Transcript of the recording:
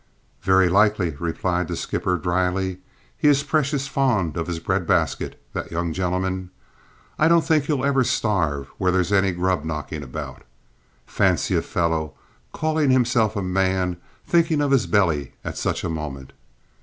"Very likely," replied the skipper drily; "he's precious fond of his breadbasket, that young gentleman. I don't think he'll ever starve where there's any grub knocking about. Fancy a fellow, calling himself a man, thinking of his belly at such a moment!